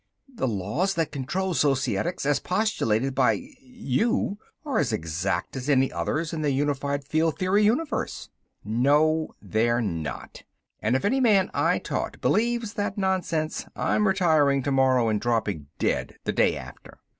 "The laws that control Societics, as postulated by ... you, are as exact as any others in the unified field theory universe." "No they're not. And, if any man I taught believes that nonsense, I'm retiring tomorrow and dropping dead the day after.